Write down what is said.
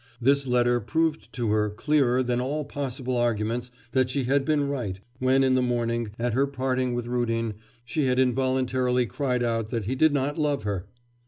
This letter proved to her clearer than all possible arguments that she had been right, when in the morning, at her parting with Rudin, she had involuntarily cried out that he did not love her!